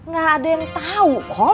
gak ada yang tahu kok